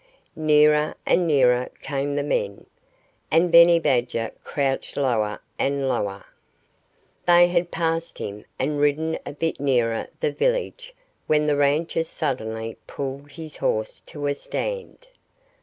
Nearer and nearer came the men. And Benny Badger crouched lower and lower. They had passed him, and ridden a bit nearer the village, when the rancher suddenly pulled his horse to a stand.